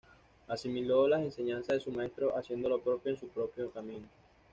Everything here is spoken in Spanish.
Asimiló las enseñanzas de su maestro haciendo lo propio en su propio camino.